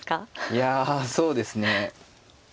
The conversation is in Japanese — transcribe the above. いやそうですね